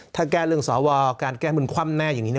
ถ้าแก้เรื่องสหวาซ์การแก้มือนความแน่